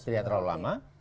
tidak terlalu lama